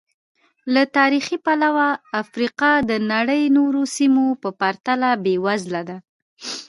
له تاریخي پلوه افریقا د نړۍ نورو سیمو په پرتله بېوزله ده.